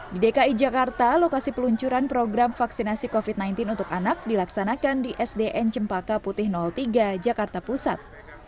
di dki jakarta lokasi peluncuran program vaksinasi covid sembilan belas untuk anak dilaksanakan di sdn cempaka putih tiga jakarta pusat